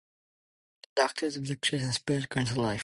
The Doctor is victorious, and spares Grun's life.